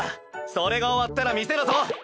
それが終わったら店だぞ。